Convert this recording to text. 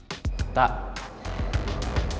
sampai ketemu lagi